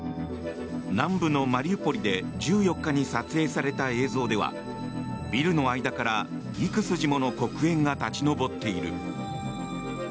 南部のマリウポリで１４日に撮影された映像ではビルの間から幾筋もの黒煙が立ち上っている。